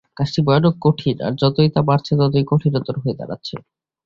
কাজটি ভয়ানক কঠিন, আর যতই তা বাড়ছে, ততই কঠিনতর হয়ে দাঁড়াচ্ছে।